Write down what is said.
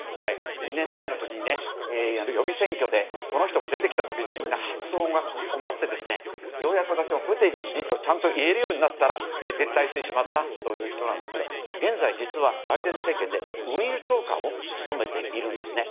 ２年前の時に、予備選挙でこの人が出てきた時にみんな発音が困ってようやく私もブティジェッジとちゃんと言えるようになったら撤退してしまった人なんですが現在、実は、バイデン政権で運輸長官を務めているんですね。